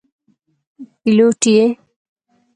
پیلوټ یې.